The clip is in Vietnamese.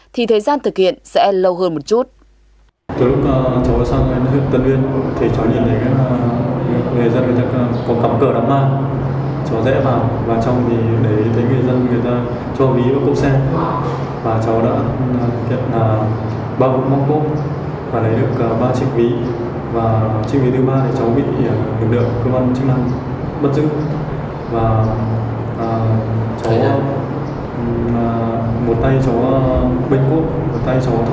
thì thời gian thực hiện sẽ lâu hơn một chút